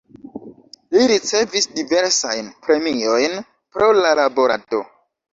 Li ricevis diversajn premiojn pro la laborado.